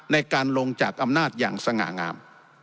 ในการลงจากอำนาจอย่างสง่างาม